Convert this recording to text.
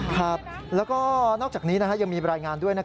ครับแล้วก็นอกจากนี้ยังมีรายงานด้วย